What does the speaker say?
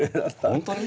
本当に？